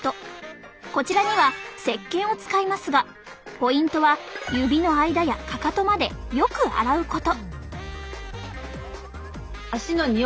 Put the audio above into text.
こちらにはせっけんを使いますがポイントは指の間やかかとまでよく洗うこと。